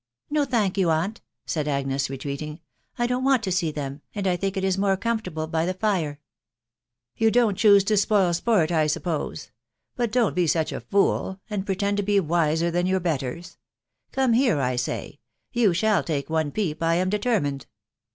No, thank you, aunt,"* said Agnes> retreating ; C4I don't want to see them, and 1 think it is more comfortable by the uze. <c You don't choose to spoil sport, I suppose ;.... but •don't be such a fool, and pretend to he wiser than your betters. ■Come here, I say ; you shall take one peep, I am determrned."